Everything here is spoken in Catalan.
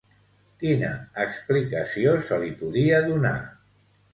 Quina explicació se li podia donar?